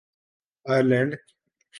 Ireland